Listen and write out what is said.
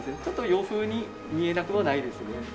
ちょっと洋風に見えなくもないですよね。